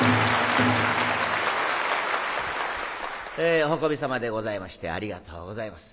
えお運びさまでございましてありがとうございます。